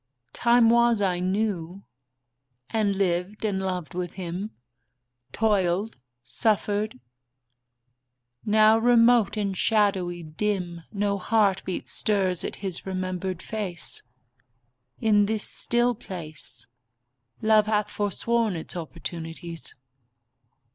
Time was I knew, and lived and loved with him; Toiled, suffered. Now, remote and shadowy, dim, No heartbeat stirs at his remembered face. In this still place Love hath forsworn its opportunities.